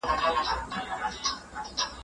سوسیالیستان غواړي چي هر څه باید اجتماعي سي.